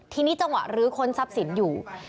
ทีนี้จังหวะลื้อค้นทรัพย์สินอยู่